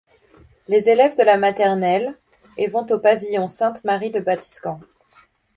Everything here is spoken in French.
Les élèves de la maternelle, et vont au pavillon sainte-Marie de Batiscan.